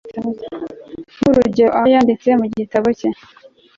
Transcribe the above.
nk'urugero ahoyanditse mu gitabo cye